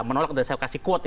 menolak dari saya kasih quote ya